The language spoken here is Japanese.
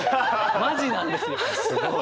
マジなんですよ。